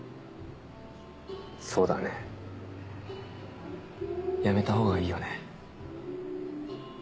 そうだねやめたほうがいいよね。